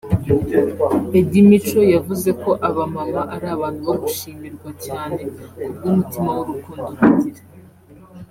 Eddie Mico yavuze ko aba mama ari abantu bo gushimirwa cyane kubw’umutima w’urukundo bagira